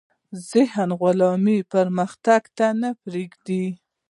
ذهني غلامي پرمختګ ته نه پریږدي.